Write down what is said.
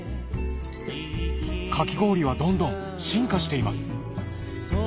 かき氷はどんどん進化しています